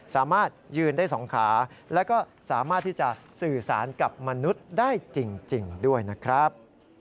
สามารถยืนได้๒ขาแล้วก็สามารถที่จะสื่อสารกับมนุษย์ได้จริงด้วยนะครับ